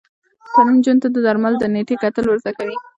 تعلیم نجونو ته د درملو د نیټې کتل ور زده کوي.